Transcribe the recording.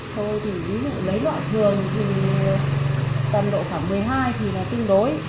thôi thì ví dụ lấy loại thường thì tầm độ khoảng một mươi hai thì là tương đối